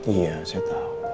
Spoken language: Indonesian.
iya saya tau